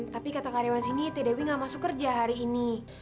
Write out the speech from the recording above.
tapi kata karyawan sini tdwi gak masuk kerja hari ini